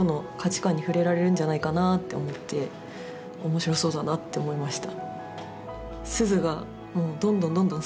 面白そうだなって思いました。